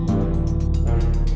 apa yang ibu suruh